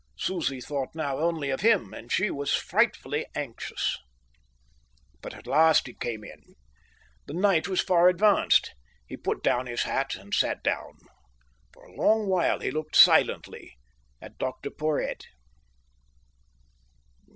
Susie thought now only of him, and she was frightfully anxious. But at last he came in. The night was far advanced. He put down his hat and sat down. For a long while he looked silently at Dr. Porhoët.